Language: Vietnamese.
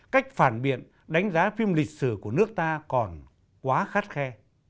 cách phản biện đánh giá phim lịch sử của nước ta còn quá khắt khe